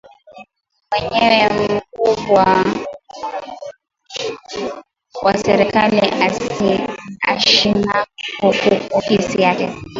Mwenyewe mukubwa wa serkali ashinako ku ofisi yake